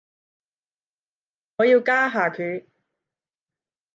我要加下佢